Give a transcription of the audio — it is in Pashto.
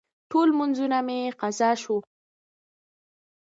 ټول لمونځونه مې قضا شوه.